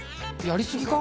やりすぎか？